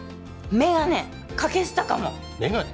メガネかけてたかもメガネ？